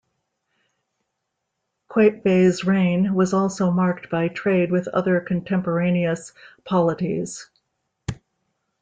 Qaitbay's reign was also marked by trade with other contemporaneous polities.